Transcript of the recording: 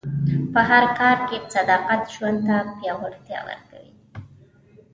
په هر کار کې صداقت ژوند ته پیاوړتیا ورکوي.